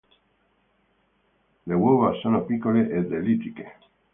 Le uova sono piccole ed ellittiche.